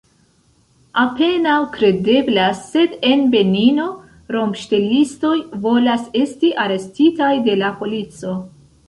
Apenaŭ kredeblas, sed en Benino rompŝtelistoj volas esti arestitaj de la polico.